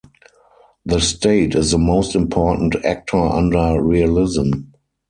The state is the most important actor under realism.